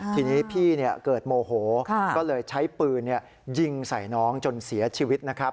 ทีนี้พี่เกิดโมโหก็เลยใช้ปืนยิงใส่น้องจนเสียชีวิตนะครับ